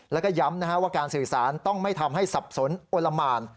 แล้วก็ย้ำว่าการสื่อสารต้องไม่ทำให้สับสนอนละหมาน